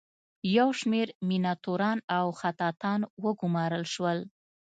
یو شمیر میناتوران او خطاطان وګومارل شول.